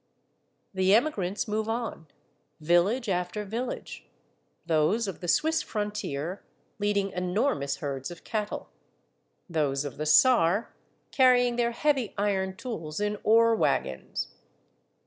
The emigrants move on, village after village ; those of the Swiss frontier leading enormous herds of cattle ; those of the Saar carrying their heavy iron tools in ore wagons.